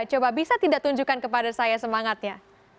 coba bisa tidak tunjukkan kepada saya semangatnya